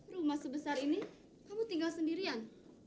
rumah sebesar ini kamu tinggal sendirian